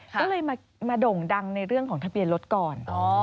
ก็เลยมาโด่งดังในเรื่องของทะเบียนรถก่อน